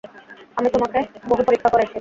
আমি তোমাকে বহু পরীক্ষা করেছি।